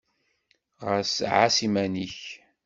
Ɣas ɛass iman-nnek!